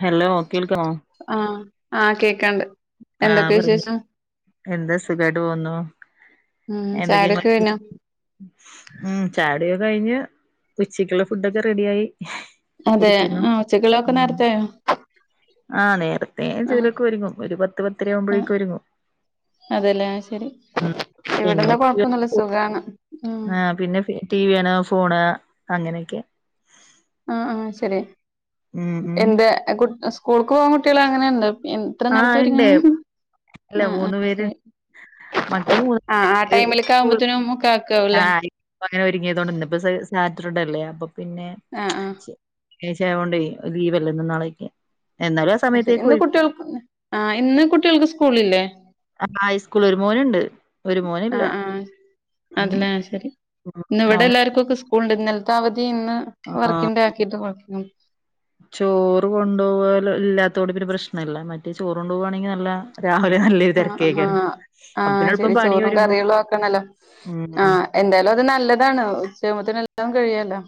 Hello കേൾക്കണോ അഹ ആഹ കേക്കാണ്ട് ആഹ എന്തൊക്കെ പറ്ഞ്ഞ് വിശേഷം എന്താ സുഖാട്ട് പോന്നോ ഉം എന്തക്കെ ഇങ്ങള ചായുടിയൊക്കെ കഴിഞ്ഞോ വിശേഷം ഉം ചായകുടിക കയ്ഞ്ഞ് ഉച്ചക്കുള്ള ഫുഡൊക്ക റെഡി ആയി അതെ ഇരിക്കുന്നു ആഹ് ഉച്ചക്കുള്ളതൊക്കെ ഉം നേരത്തെയായോ ആഹ് നേരത്തെ ആഹ് ചെലൊര്ക്ക ഒര്ങ്ങും ഒര് പത്ത് പത്തര ആവ്മ്പഴേക്കു ഒരുങ്ങും അതല്ലേ ശരി ഉം പിന്നെ ഇവ്ട്ന്ന് കൊഴപ്പന്നുല്ല സുഖാണ് അഹ ആ പിന്ന ഫി ടി വികാണ്ക ഫോണ് അങ്ങനെക്കയ ആഹ അഹ ശരി ഉം ഉം എന്ത് എ കു സ്കൂൾക്ക് പോവാം കുട്ടികള് അങ്ങനെന്തൊ പിൻ ഇത്ര ആഹ് നേര്ത്ത ഒര്ങ്ങണ ഇണ്ട് ഹ് അല്ല അ മൂന്ന് അ പേര് ശെ മക്കള് മൂന്ന് ആഹ അ പേര്ണ്ട് ടൈമ് ല്ക്കാവ്മ്പത്ത്നും ഒക്ക ആക്കാവ്ല്ലേ അങ്ങന ഒരുങ്ങിയതൊണ്ട് ഇന്ന്പ്പ് സ് സാറ്റർഡേ അല്ലേ അപ്പ പിന്നെ അെ ആഹ ശനിയാച്ച ആവോണ്ടെ ഒര് ലീവല്ലെ ഇന്നും നാളെക്കെ എന്നാലു ആ അത് ശരി സമയത്തേക്ക് ഇന്ന് ഒര്ക്കും കുട്ടികൾക്ക് ആഹ് ഇന്ന് കുട്ടികൾക്ക് സ്കൂളില്ലേ ആ ഐസ്കൂള് ഒര് മോന്ണ്ട് ഒര് മോനില്ല ഉം അത് ലെ ശരി ഉം ഇന്ന് അവന് ഇവടെല്ലാര്ക്കൊക്ക സ്കു ഉണ്ട് ഇന്നൽത്ത അവധി ഇന്ന് ആഹ് വർക്കി ഡേ ആക്കിട്ട് കൊയപ്പം - ചോറ് കൊണ്ടോവാല് ഇല്ലാത്തോട്ട് പിന്നെ പ്രശ്നല്ല മറ്റേ ചോറ് കൊണ്ടോവാണെങ്കി നല്ല രാവ് ലെ നല്ലെര് ആഹ് തെരക്കെക്കാരം ആഹ് അപ്പ ആഹ് പിന്നെ ൾപ്പം ശരി പണി ചോറും ഒരുങ്ങു ഉ ഉ എന്തായലും അത് നല്ലതാണ് ഉച്ച ആവ്മ്പത്തെന് എല്ലാം കഴിയല്ലോ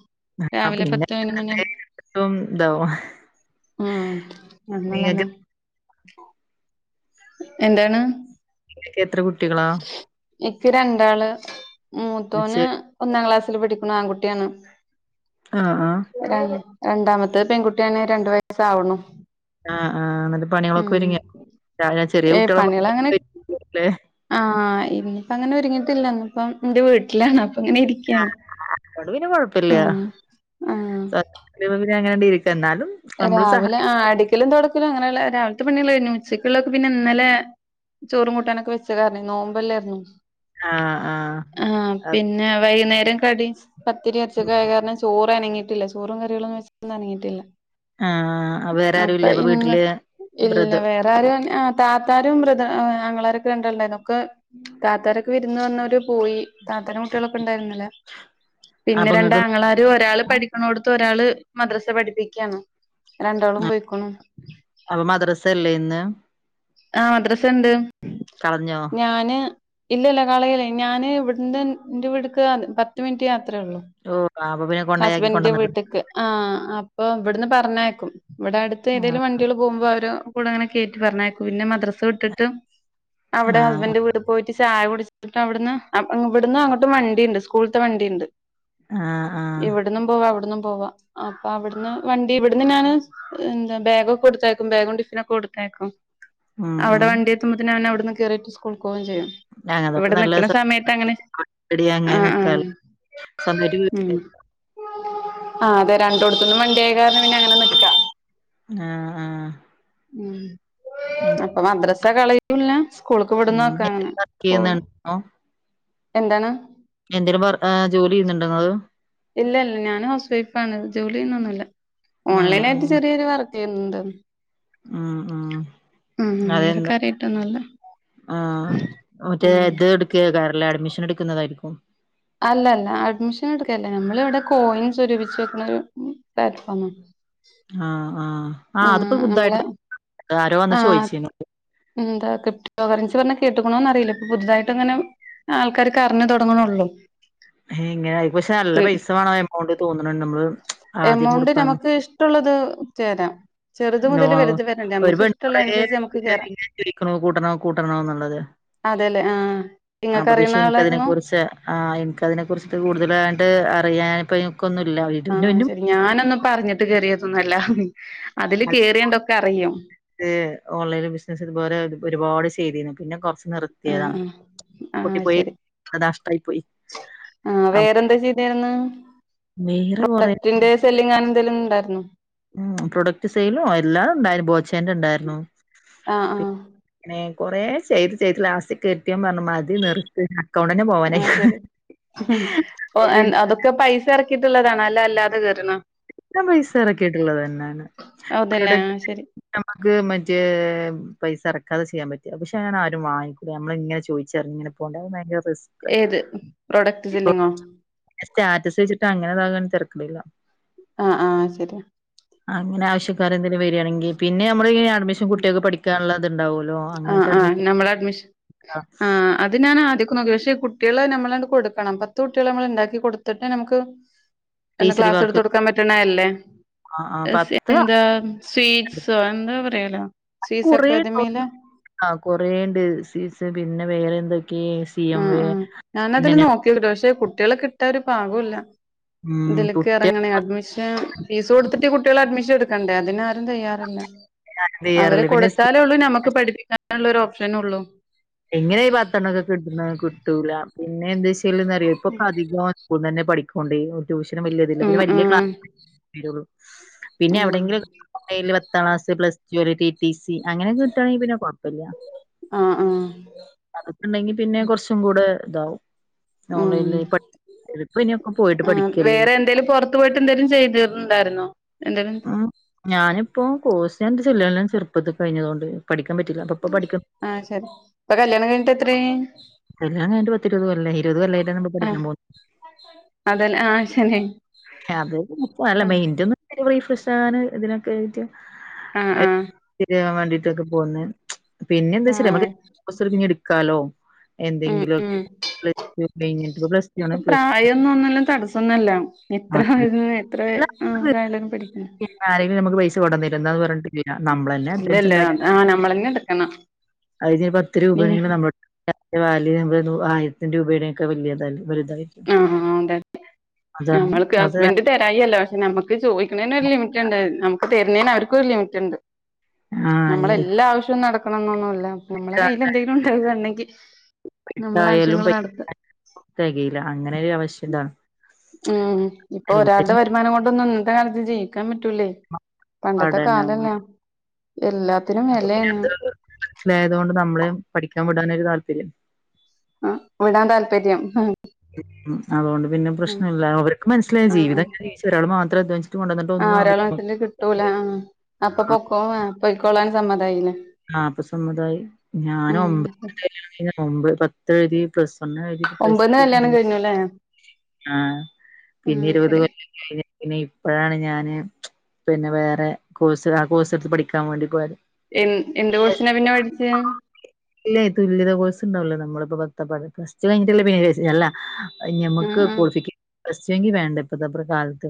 ആഹ് രാവിലെ പിന്നെ പത്ത് പനൊന്ന് മണിയാ ത്തും ഇതാവും അഹ് നിങ്ങൾക്ക് അതിനൊള്ളെന്താ [unintelligible] എന്താണ് ഇങ്ങക്കെത്ര കുട്ടികളാ എക്ക് രണ്ടാള് മൂത്തോന് മ്മച്ചിയെ ഒന്നാ ക്ലാസ്സില് പഠിക്ക്ണു ആൺകുട്ടിയാണ് അഹ ആഹ രണ്ട് രണ്ടാമത്തെത് പെൺകുട്ടിയാണ് രണ്ട് വയസ്സാവ്ണു ആഹ അഹ എന്നട്ട് പണികളൊക്കൊരിങ്ങിയ ഞാ വിചാരി ചെറിയ ഏഹ് കുട്ടികളൊന്നും പണികളങ്ങനെ [inaudible] ലേ ആഹ് ഇനിപ്പ അങ്ങനൊര്ങ്ങിട്ടില്ല ഇന്ന്പ്പം എന്റ വീട്ട്ലാണ് അപ്പ ഇങ്ങനിരിക്ക് അതോട്‌ പിന്നെ കൊയപ്പല്ല ആഹ് സത്യം പിന്ന അങ്ങനാണ്ട് ഇരിക്ക എന്നാലും നമ്മളും സഹ രാവിലെ ആ അടിക്കലും തൊടക്കലും അങ്ങനെള്ള രാവിൽത്ത പണികള് കയ്ഞ്ഞു ഉച്ചക്കുള്ളതൊക്ക പിന്നെ ഇന്നലെ ചോറും കൂട്ടാനൊക്ക വെച്ച കാർണെ നോമ്പല്ലാര്ന്നൊ. ആഹ്. അഹ് ആഹ് പിന്നെ വൈന്നേരം കടി പത്തിരി എർച്ചീക്ക ആയ കാർണം ചോറനങ്ങിട്ടില്ല. ചോ ചോറും കറികളൊന്നും വെച്ച് പ്പ്ന്ന് അനങ്ങിട്ടില്ല. ആഹ് അഹ് വേറാരുല്ലെ അപ്പ വീട്ട്ല്. ബ്രദ താരു അൻ അഹ് താത്താരും ബ്രിദ അ അങ്ങളാരെക്കെണ്ടല്ലോ തം ക്കെ തത്താരൊക്ക വിര്ന്ന് വന്നോര് പോയി താത്തന്റെ കുട്ടികളൊക്ക ണ്ടായ്ര്ന്ന്ല്ലേ. പിന്ന അപ്പൊ ഇങ്ങക്ക് രണ്ടാങ്ങളാരും ഒരാള് പഠി ക്കണോടുത്ത്. ഒരാള് മദ്രസെ പഠിപ്പിക്കാണ്. രണ്ടാളും പോയ്ക്കുണു. അപ്പ മദ്രസല്ലേ ഇന്ന്. ആഹ് മദ്രസണ്ട്. കളഞ്ഞോ? ഞാന് ഇല്ല്യല്ല. കളയൂല. ഞാന് ഇവട്ന്റെ ഇന്റെ വീട്ക്ക് പത്ത് മിനിറ്റ് യാത്രേ ഉള്ളു. ഓഹ് അപ്പൊ പിന്നെ കൊണ്ടയാക്കി കൊണ്ടന്നിട്ട്. ആഹ് അപ്പൊ ഇവട്ന്ന് പറഞ്ഞേക്കും. ഇവടെ അടുത്ത് ആഹ് ഏതേലും വൺ. ട്ട്യാളു പോവുമ്പോ അവര് കൂടെങ്ങനെ കേറ്റി പറഞ്ഞേക്കും. പിന്നെ മദ്രസ വിട്ട്ട്ട് അവ്ടെ ആഹ് ഹസ്ബന്റ് വീട്. പോയിട്ട് ചായ കുട്ച്ച്ട്ട് അവട്ന്ന്. അങ്ങ് ഇവട്ന്ന് അങ്ങോട്ട് വണ്ടിണ്ട്. സ്കൂള്ത്തെ വണ്ടിണ്ട്. ആഹ് ആഹ്. അവ്ട്ന്നും പോവാ. ഇവ്ട്ന്നും പോവാ. അപ്പൊ അവ്ട്ന്ന് വണ്ടി ഇവ്ട്ന്ന് ഞാന്. ഉം എന്താ ബാഗൊക്കെ കൊടുത്തയക്കും. ബാഗും ടിഫിനൊക്കെ കൊടുത്തയക്കും. ഉം അവ്ടെ ഉം വണ്ടി എത്തുമ്പത്തേന് അവടന്ന് കേറിട്ട് സ്കൂൾക്കോവും ചെയ്യും. ങ്ങട്ട് ഞങ്ങതോണ്ട് ഇവ്ടെ നല്ല നിക്ക്ണ സമയത്തഅങ്ങനെ ആഹ് ആഹ്. സൊന്തായിട്ട് വീട് ല്ലേ. ആഹ് അതെ രണ്ടോട്ത്ത്ന്നും വണ്ടിയായ കാര്ണം പിന്നെ അങ്ങനെ നിക്കാം ആഹ് ആഹ്. ഉം. പ്പൊ മദ്രസ കളയത്തുല്ല. സ്കൂള്ക്ക് ഉം ഇവിടുന്നൊക്കെ അങ്ങനെ എന്തേലും വർക്ക് പോവ് ചെയ്യുന്നുണ്ടോ എന്താണ്. എന്തരും വർ ഏഹ് ജോലി എയ്യുന്നുണ്ടോ ഇങ്ങള്. ഇല്ലല്ല. ഞാന് ഹൗസ് വൈഫാണ്. ജോലി എയ്യുന്നൊന്നുല്ല. ആഹ് ഓൺലൈനായിട്ട് ചെറിയൊരു വർ എന്ത്? ആഹ് ആഹ്. വേറെ അതെന്താ. കാര്യായിട്ടൊന്നുല്ല ആഹ് മറ്റേ ഉം ത് ഇട്. ക്കേകാരെല്ലെ. അഡ്മിഷൻ എടുക്കുന്നതായിരിക്കും. അല്ലല്ല. അഡ്മിഷൻ എടുക്കല്ല. നമ്മള് വിടെ കോയിൻ സ്വരൂപിച്ച് വെക്ക്ണ ഒരു പ്ലാറ്റ്ഫോമാണ്. ആഹ് ആഹ്. ആഹ് ത്പ്പോ പുത്‌ തായിട്ട് നമ്മള് ആരോ ന്ന് ആ ചോയിച്ച്ണു. എന്താ ക്രിപ്റ്റോ കറൻസിന്ന് പർഞ്ഞാ കേട്ട്ക്ക്ണോന്നറിയില്ല. ഇപ്പൊ പുതുതായിട്ട് ഇങ്ങനെ ആൾക്കാരൊക്കെ അറിഞ്ഞു തൊട്ങ്ങ്ണ്ള്ളൂ. ഹ് ഇങ്ങനെയി. പക്ഷെ നല്ല പൈസ വേണം എമൗണ്ട് തോന്ന്ണ്ണ്ണ്ട്. അമ്മള് എമൗണ്ട് നമുക്ക് ഇഷ്ട്ടുള്ളത് ചേരാം. ചെറുത് മുതൽ വലുത് വരെണ്ട്. ഒരു പെണ്ണ് കൊറേ ആയി ചോയ്ക്ക്ണു കൂട്ടണോ കൂട്ടണോന്ന്ള്ളത്. അതെല്ലേ ആഹ് നിങ്ങൾക്ക് അപ്പൊ ക്ഷേ അറിയുന്ന എനിക്കതിനെ ആളായിരുന്നു കുറിച്ച് ആഹ് എനിക്കതിനെ കുറിച്ച്ട്ട് കൂടുതലാണ്ട് അറിയാനി ഇപ്പൊനിക്കൊന്നുംല്ല വിട് നും ആഹ് നും. ശരി ഞാനൊന്നും പ്പ അറിഞ്ഞിട്ട് കേറിയതൊന്നല്ല. ഹ്‌ഹ്‌ അതില് കേറിയാതൊക്കെ അറിയും. ഏഹ്. ഓൺലൈൻ ബിസിനസ് ഇതുപോലേ ഒരുപാട് ചെയ്തിരുന്നു. പിന്നെ കൊർച്ച് നിർ ആഹ് ത്തിയതാണ് ആഹ് പൂട്ടി ആഹ് പോയി. ശരി അത് നഷ്ട്ടായി പോയി. ആഹ് വേറെന്താ ചെയ്തിരുന്നെ? വേറെ കൊറേ പ്രോഡക്ടിന്റെ. സെല്ലിങ്ങൊ അങ്ങനെന്തേലും ഇണ്ടായിരുന്നോ? ഉം പ്രൊഡക്റ്റ് സെയിലും എല്ലാം ഉണ്ടായിരുന്നു. ബോച്ചേന്റെ ഇണ്ടായിരുന്നു. ആഹ് ആഹ് ഇങ്ങനെ കൊറേ ചെയ്ത് ചെയ്ത് ലാസ്റ്റ് കെട്ട്യാേൻ പറ്ഞ്ഞു മ തി നിർത്ത് അക്കൗണ്ടന്നെ ആഹ് പോവാനായ്ക്ണ് ശരി ഓ അപ്പ പിന്നെ. എൻ- അതൊക്കെ പൈസ എറ ക്കിട്ടുള്ളതാണോ അല്ല അല്ലാതെ കേറ്ണതോ? ത്തം പൈസ എറക്കിയിട്ടുള്ളത് തന്നേണ്. അതല്ലേ പ്രൊഡക് ആഹ് ശരി ഇതമ്മക്ക് മറ്റേ പൈസ എർക്കാതെ ചെയ്യാൻ പറ്റി പക്ഷെ അങ്ങനെ ആരും വാങ്ങിക്കൂല നമ്മളിങ്ങനെ ചോദിച്ചർഞ്ഞ്ങ്ങനെ. കൊണ്ടോയ [unintelligible] റിസ് ഏത് പ്രൊഡക്ട് സെല്ലിങ്ങോ? സ്റ്റാറ്റസ് വെച്ചിട്ട് അങ്ങനെതാവാണെ തെരക്കടില്ല. അഹ് ആഹ് ശെര്യ. അങ്ങനെ ആവശ്യക്കാരെന്തലും വരാണെങ്കി പിന്നെ നമ്മള് ഇങ്ങനെ അഡ്മിഷൻ കുട്ട്യേൾക്ക് പഠിക്കാനുള്ളത്തുണ്ടാവുമോ അഹ് ആഹ് നമ്മുടെ അഡ്മിഷൻ ആഹ് അത് ഞാൻ ആദ്യക്ക് നോക്കി. പക്ഷെ ഈ കുട്ട്യേളെ നമ്മളാണ് കൊടുക്കണം. പത്ത് കുട്ട്യെളെ നമ്മള് ഇണ്ടാക്കി ക്കൊടുത്തിട്ട് നമുക്ക് എന്ന് ടീച്ചറി വർക്ക് ക്ലാസ്ത്തൊട്ക്കാൻ പറ്റ്ണെല്ലെ. ആ ആ പത്ത് എന്താ സ്വീറ്റ്സ് എന്താ പറയല് കൊറേ [unintelligible] ആ കറേണ്ട് സീസ് പിന്നെ വേറെഇണ്ട്. സി എം ആഹ് വെ ആഹ് ഞാനതില് പിന്നെലെ പക്ഷെ കുട്ട്യേളെ കിട്ടാ ഒരു പാകൂല്ല. ഉം ഇതില്ക്ക് എറങ്ങ്ണെ അഡ്മിഷൻ ഷെ ഫീസ് കൊടുത്തിട്ട് കുട്ട്യേളെ അഡ്മിഷൻ എടുക്കണ്ടെ. അതിനാരും തയ്യാറല്ല. അവര് കുട്ടികൾക്കെയ്യാറില്ല പിന്നെ സ്കൂ കൊടുത്താൽ ഒള്ളു നമുക്ക് പഠിപ്പിക്കാനുള്ള ഒരു ഓപ്ഷനൊള്ളൂ. എങ്ങനെ ഈ പത്തെണ്ണൊക്കെ കിട്ട്ണ്. കിട്ടൂല പിന്നെ എന്താ വെച്ചാല്റ്യാെ. ഇപ്പൊക്കെ അധികം. സ്കൂന്നെന്നെ പഠിക്കോണ്ടെ ടൂഷനും വല്യ ഇതില്ല. ഉം പിന്നെ വല്യ ഉം ക്ലാസ്ള്ളൂ. പിന്നെ ഉം എവിടെങ്കിലും പത്താം ക്ലാസ് പ്ലസ് ജ്ലറി ടി ടി സി അങ്ങനെ കിട്ടാണെങ്കിൽ പിന്നെ കൊഴ്പ്പല്ല. ആഹ് ആഹ് അതൊക്കെ ഇണ്ടെങ്കി പിന്നെ കൊറ്ച്ചും കൂടെ ഇതാവും ഓൺലൈൻല്. ഉം ഇപ്പ [unintelligible] ഇത് ഇനിയൊക്കെ പോയിട്ട് പഠിക്കല്ലെ. എന്താലും പൊറ് പോയിട്ട് എന്തേലും ചെയ്തിറ്ണ്ടായിരുന്നോ എന്തേലും. അഹ് ഞാനിപ്പോ കോഴ്സ് എന്റ് കല്യല്ലാം ചെറുപ്പത്തി കഴിഞ്ഞ തോണ്ട് പഠിക്കാൻ പറ്റില്ല. അപ്പൊ ഇപ്പൊ പഠിക്ക ആഹ് ശെരി. ഇപ്പം കല്യാണം കഴിഞ്ഞിട്ട് എത്ര ആയി. കല്യാണം കഴിഞ്ഞിട്ട് പത്തിരുപത് കൊല്ലായി. ഇരുപത് കൊല്ലായിട്ടാണ് നമ്മള് പഠിക്കൻ പോകുന്നത്. അതെല് അതെ അല്ല ആ മൈന്റൊന്നും റീഫ്രഷ് ആകാന് ഇതിനൊക്കെ ആയിട്ട്. ആഹ് ആഹ് ൻ വേണ്ടിട്ടൊക്കെ പോന്ന് പിന്നെ എന്താ ആ വെച്ച നമക്ക് കൊറ്ച്ച് കഴിഞ്ഞിട്ട് ഇടുക്കാലൊ. എന്തെങ്കിലൊക് ഉം [unintelligible] പ്ലസ് ടു ആണ് പ്ല കായൊന്നും ഒന്നല്ലും തടസ്സൊന്നല്ല. ഇത്ര വ എത്ര കായലും പഠിക്ക ആരെങ്കിലും നമുക്ക് പൈസ കൊട്ന്നെരും ഇന്നാന്ന് പറഞ്ഞിട്ടില്ല നമ്മളെന്നെ അ ആഹ് നമ്മളെന്നെ എടുക്കണം. അതിന് പത്ത് പിന്നെ രൂപയാണെങ്കി നമ്മൾ വാല് നമ്മള് നൂ ആയിരം ത്ത രൂപെടെ ഒക്കെ വല്ല്യയതായ വലുതായി ഉം ഉം അതെതെ അതാ നമ്മൾക്ക് അത് ഹസ്ബൻഡ് തരായി അല്ല പക്ഷെ ഞമ്മക്ക് ചോയിക്കണെന് ഒരു ലിമിറ്റ് ഉണ്ട് നമുക്ക് തെര്ണെന് അവർക്കും ഒരു ലിമിറ്റ് ഇണ്ട്. ആഹ് നമ്മളെ എല്ലാ ആവശ്യവും നടക്കണം ന്നൊന്നുല്ല. നമ്മളെ കയ്യില് എന്തെലും ഉണ്ടാവുകയുണ്ടെങ്കി നമ്മള ആവശ്യങ്ങള് നടത്ത തെകയീല അങ്ങനെ ഒരു അവശ്യം ഇതാണ്. ഉം ഇപ്പൊ ഒരാൾടെ എല്ലാത്തിനും വരുമാനം കൊണ്ടൊന്നും ഇന്നത്തെ കാലത്ത് ജീവിക്കാൻ പറ്റൂലേ. പണ്ടത്തെ പഠനം കാലല്ല എല്ലാത്തിനും വെലയാണ്. മനസ്സിലായതു കൊണ്ട് നമ്മളേം പഠിക്കാൻ വിടാനരു താല്പര്യം. ആഹ് വിടാൻ താല്പര്യം ഹും. ഉ അതുകൊണ്ട് പിന്നെ പ്രശ്നം ഇല്ല അവർക്ക് മനസിലായി ജീവിതം ഇങ്ങനെ ഒരാൾ മാത്രം [unintelligible] ആഹ് ഒന്നും ഒരാളെ ആവില്ല മനസ്സിലും കിട്ടൂല ആഹ് അപ്പൊ ആഹ് പൊക്കോം വേ പൊയ്ക്കോളാൻ സമ്മതായീലെ. ആഹ് അപ്പ സമുദായി ഞാനും ഒമ്പ് കല്യാണം കഴിഞ്ഞപ്പോ ഒമ്പ് പത്ത് എഴുതി പ്ലസ് വൺ എഴുതി പ്ലസ് നെ ടു കല്യാണം മൂന്ന് കഴിഞ്ഞു ലെ ആഹ് പിന്നെ ഇരുപത് [unintelligible] ശരി വം ഇപ്പഴാണ് ഞാന് പിന്നെ വേറെ കോഴ്സ് ആ കോഴ്സ് എടുത്ത് പഠിക്കാൻ വേണ്ടി പോയത്. എൻ എന്ത് കോഴസിനാ പിന്നെ പഠിച്ച്? ഇല്ലേ തുല്യത കോഴ്സ് ഉണ്ടാവല്ലോ നമ്മളിപ്പോ പത്താ പ്ലസ് ടു കഴിഞ്ഞട്ടല്ലേ പിന്നെ രജ് അല്ല ആ ഞമ്മക്ക് ആ കോളിഫിക്കെ കസ്റ്റെങ്കി വേണ്ട ഇപ്പത്തെപറ് കാലത്ത്.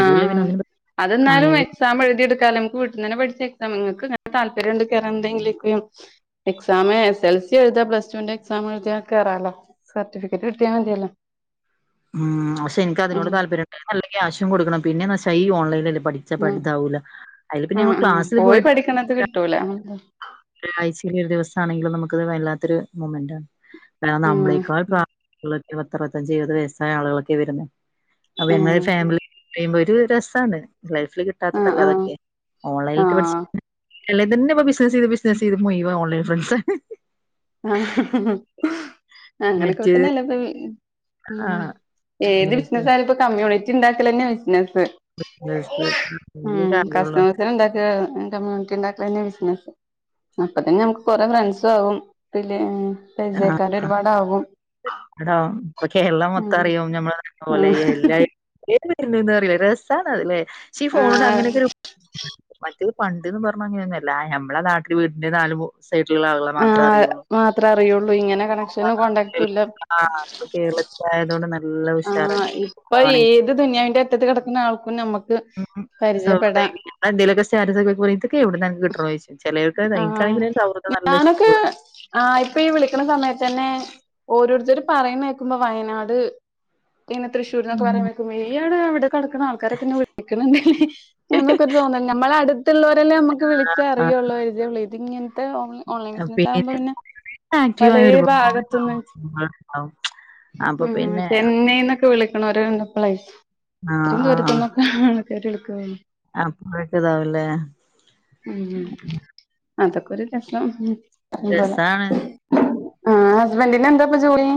അതുല്ല പിന്നെ ആഹ് ഒന്നിനും അത് ഇന്നാലും ആയാല് എക്സാം എഴുതി ഇടുക്കാ നമുക്ക് വീ ട്ടുന്നനെ പഠിച്ച് എക്സാം നിങ്ങക്ക് ങ്ങ താൽപ്പര്യുണ്ട് കേറ എന്തെങ്കിലൊക്കെയും എക്സാമ് എസ് എൽ സി എഴുതാ പ്ലസ് ടുന്റെ എക്സാം എഴുതിയാ കേറാലോ. സർട്ടിഫിക്കറ്റ് കിട്ടിയാ മതിയെല്ലോ. ഉം പക്ഷെ എനിക്ക് അതിനോട് താല്പര്യണ്ട് നല്ല ക്യാഷും കൊടുക്കണം പിന്നെന്ന് വച്ചാ ഈ ഓലൈനിൽ അല്ലേ പഠി ച്ച പഠിത്താവൂലാ. ഉം ഉം പോയി പഠിക്കണത് കിട്ടൂല. ഒരാഴ്ചീല് ഒരു ദിവസാണെങ്കിലും നമുക്കത് വല്ലാത്തൊരു മൊമെന്റാണ് കാരണം ഉം നമ്മളെക്കാൾ പ്രാ യള്ളത് പത്തറുവത്തഞ്ച് എഴുപത് വയസ്സായ ആളുകളൊക്കെ വരുന്നെ അപ്പൊ ഉം ഞങ്ങൾ ഫാമിലി ടൈം ഒരു രസാണ് ലൈഫില് ആഹ് കിട്ടാത്തതല്ലെ ആഹ് അതൊക്കെ. ഓൺലൈൻ റ്റ് പഠിച്ച് ആഹ് എല്ലേതന്നെപ്പൊ ബിസിനസെയ്ത് ബിസ്നസെയ്‌തു മുഴുവം ഓൺലൈൻ ഫ്രണ്ട്സ്. ആഹ് അങ്ങനെക്കെപ്പ മറ്റ് തന്നെല്ലപ്പൊ ബി ഉം ആഹ് ഏത് അങ്ങനെയൊക്കെ ബിസിനസായാലും ഇപ്പോ കമ്മ്യൂണിറ്റി ഇണ്ടാക്കലന്നെ ബിസിനസ്. ബിസിനസ് വലിയ ഉം കാര്യള്ളൂ കസ്റ്റമേഴ്സിനെ ഇണ്ടാ റ്റാ കമ്മ്യൂണിറ്റി ഇണ്ടാക്കലന്നെ ബിസിനസ് അപ്പ തന്നെ നമുക്ക് കൊറെ ഫ്രണ്ട്സും ആകും. ത്തിലേ ആഹ് പരിചയക്കാര് ഒരുപാടാകും എടാ ഇപ്പൊ കേരളം മൊത്തം ഉം അറിയും നമ്മളെ പോലെ എല്ലാ ഏത് വരുന്നത് അറില രസാണ് അത് ലേ ക്ഷീ ഈ ഫോണോണ്ട് ആഹ് അങ്ങനെക്കെരു ഉ മറ്റേത് പണ്ട്ന്ന് പറഞ്ഞ അങ്ങനൊന്നു അല്ല ഞമ്മള നാട്ടില് വീട്ടില് നാല് മു സൈഡില്ള്ള ആളുകള ആഹ് മാത്ര ആഹ് അറിയുള്ളൂ. മാത്രേ അറിയുള്ളൂ ഇങ്ങനെ കണക്ഷനും കോണ്ടാക്റ്റും ഇല്ല ആഹ് അപ്പൊ കേരളത്തിലായതോണ്ട് നൽ ആഹ് ഇപ്പൊ ഏത് ദുനിയാവിന്റെ അറ്റത്ത് കെടക്കുന്ന ആൾക്കും നമ്മ ക്ക് പരിചയപ്പെടാ. എന്തെലൊക്കെ സ്റ്റാറ്റസൊക്കെ വെക്കുമ്പറീ ഇതൊക്കെ എവിട്ന്ന അനക്ക് കിട്ട്ണ് ചോയിച്ചും ചെലോൽക്ക് തായി ഇൻകാണങ്കി ആഹ് പിന്നെ സൗഹൃദം നല്ല ഞാനൊക്കെ ഇഷ്ട്ടുള്ള ആഹ് ഇപ്പൊ ഈ വിളിക്കണ സമയത്തന്നെ ഓരോരുത്തര് പറീണേ കേക്കുമ്പോ വയനാട് ഇന്നെ തൃശ്ശൂര്ന്നൊക്കെ പറീണേക്കുമ്പൊ ഇയാള് അവടെ കെടക്കണ ആൾക്കാരൊക്കെ ഇന്നെ വിളിക്കിണ്ട്ലെ എന്നൊക്കെ ഒരു തോന്നല് ഞമ്മളെ അട്ത്ത്ള്ളോരല്ലേ മ്മക്ക് വിളിച്ച ആ അറിയൊള്ളൂ പരിചയള്ള ഇത്ങ്ങ ത്തത് ഓൺ ഓൺലൈൻ ബിസിനസാവുമ്പോ പേരൻറ്സ് പിന്നെ ആക്റ്റീവായ പലേ ഒരുപാട് ഭാഗത്ത്ന്നും ചി [unintelligible] അപ്പൊ ഉം പിന്നെ ചെന്നൈന്നൊക്കെ വിളിക്കണോര്ണ്ട് പ്പളെ ആ ഇത്രീം ദൂരത്ത്ന്നൊക്ക ആൾക്കാര് വിളിക്കോ [unintelligible] താവുലേ അതൊക്കൊരു രസം ഉം ഇവളെ രസാണ്. ആഹ് ഹസ്ബൻ്റ്നെന്താപ്പ ജോലി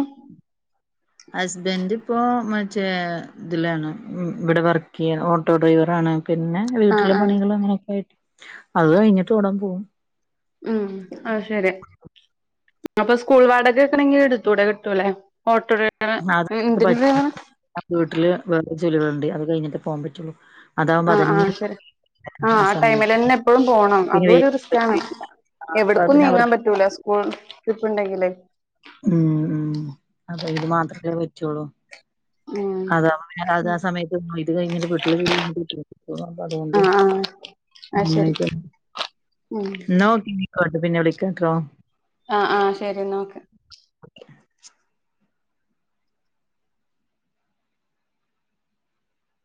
ഹസ്ബൻ്റ് പ്പോ മറ്റേ ത്ലാണ് ഇവടെ വർക്കെയ്യാണ് ഓട്ടോഡ്രൈവറാണ് പിന്നെ ആഹ് വീട്ടിലെ ആഹ് പണികള് അങ്ങനൊക്കായിട്ട് അത് കഴിഞ്ഞിട്ട് വാണം പോവാൻ ആഹ് അത് ശെരി അപ്പൊ സ്കൂൾ വാടകക്കണെങ്കി ഇട്ത്തൂടെ കിട്ടുലേ ഓട്ടോഡ [unintelligible] വീട്ടില് വേറെ ജോലികള്ണ്ട് അത് കഴിഞ്ഞിട്ടെ പോകാൻ പറ്റുള്ളു ആഹ് ആഹ് ശെരി ആഹ് ആ സമയത്ത് ടൈമിലെന്നെ എപ്പഴും പോണം പിന്നെ അതും വേ ഒരു റിസ്കാണ് പറ്റൂല്ല. ആ അപ്പൊ എവിട്ക്കും പിന്നെ നീങ്ങാ അവർക്ക് പറ്റൂല സ് സ്കൂൾ ട്രിപ്പ്ണ്ടെങ്കിലേ ഉം ഉം [unintelligible] മാത്രല്ലേ പറ്റൊള്ളു ഉം അതാവുമ്പോ പിന്നെ അതാ സമയത്ത്ഇത് കഴിഞാല് വീട്ടിലെ ജോലി [unintelligible] അപ്പൊ അതുകൊണ്ട് ആഹ് ആഹ് അത് ശരി ഇങ്ങനൊക്കെ ഉം ഇന്നാ ഓക്കെ [unintelligible] പിന്നെ വിളിക്കാട്ടോ ആഹ് ആഹ് ശെരി ന്നാ ഓക്കെ ഓകെ